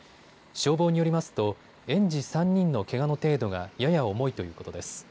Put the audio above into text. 消防によりますと園児３人のけがの程度がやや重いということです。